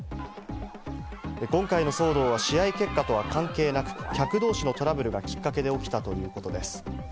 今回の騒動は試合結果とは関係なく、客同士のトラブルがきっかけで起きたということです。